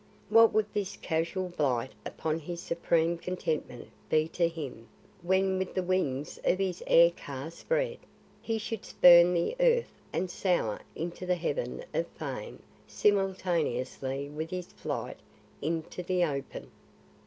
What would this casual blight upon his supreme contentment be to him, when with the wings of his air car spread, he should spurn the earth and soar into the heaven of fame simultaneously with his flight into the open.